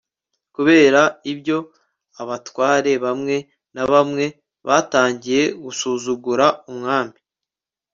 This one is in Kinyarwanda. kubera ibyo, abatware bamwe na bamwe batangiye gusuzugura umwami